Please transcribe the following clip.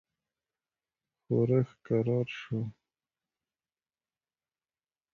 ښورښ کرار شو.